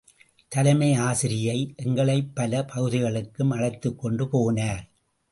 தலைமை ஆசிரியை எங்களைப் பல பகுதிகளுக்கும் அழைத்துக்கொண்டு போனார்.